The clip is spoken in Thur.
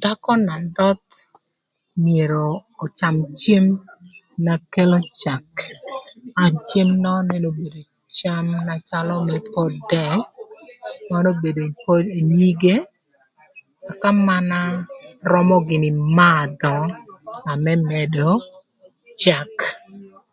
Dhakö na döth myero öcam cem na kelo cak. Cem n'ëcamö calö pot dëk, mano obedo nyige, ëka mana römö gïnï madhö na më mëdö cak.